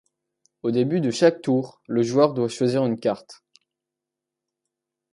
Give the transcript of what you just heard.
Au début de chaque tour, le joueur doit choisir une carte.